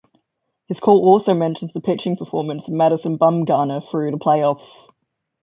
His call also mentions the pitching performance of Madison Bumgarner through the playoffs.